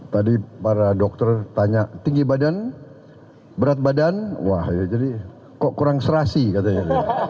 tadi para dokter tanya tinggi badan berat badan wah jadi kok kurang serasi katanya